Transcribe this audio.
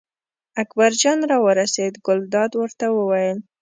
اکبرجان راورسېد، ګلداد ورته وویل.